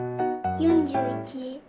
４１。